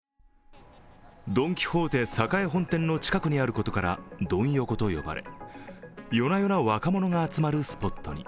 ドン・キホーテ栄本店の近くにあることからドン横と呼ばれ、夜な夜な若者が集まるスポットに。